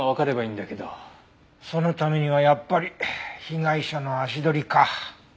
そのためにはやっぱり被害者の足取りか。